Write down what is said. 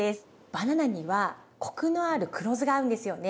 バナナにはコクのある黒酢が合うんですよね。